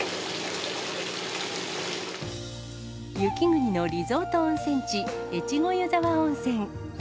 雪国のリゾート温泉地、越後湯沢温泉。